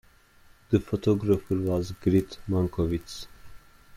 The photographer was Gered Mankowitz.